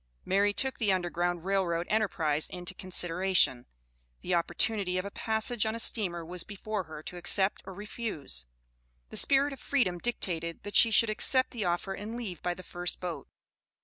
Mary took the Underground Rail Road enterprise into consideration. The opportunity of a passage on a steamer was before her to accept or refuse. The spirit of freedom dictated that she should accept the offer and leave by the first boat.